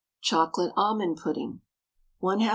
CHOCOLATE ALMOND PUDDING. 1/2 lb.